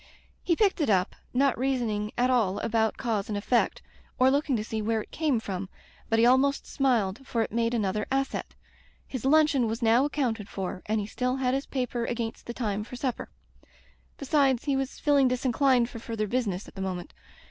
He picked it up, not reasoning at all about cause and effect or looking to see where it came from, but he almost smiled, for it made another asset. His luncheon was now accounted for, and he still had his paper against the time for supper. Besides, he was feeling disinclined for further business at the moment.